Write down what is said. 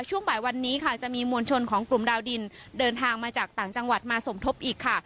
ช่วงบ่ายวันนี้ค่ะจะมีมวลชนของกลุ่มดาวดินเดินทางมาจากต่างจังหวัดมาสมทบอีกค่ะ